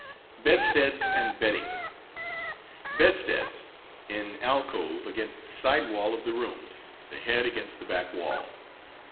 BEDSTEADS AND BEDDING. Bedsteads In alcove, against side wall of the room, the head against the back wall.